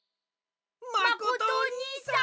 まことおにいさん！